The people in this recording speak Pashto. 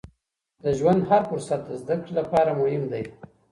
د ژوند هر فرصت د زده کړې لپاره مهم دی.